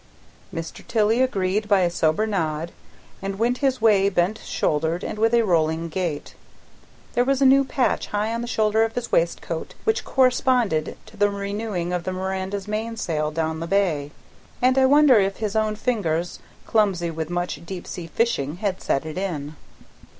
Mr. Tilley agreed, by a sober nod, and went his way bent shouldered and with a rolling gait. There was a new patch high on the shoulder of his old waistcoat, which corresponded to the renewing of the Miranda's mainsail down the bay, and I wondered if his own fingers, clumsy with much deep sea fishing, had set it in.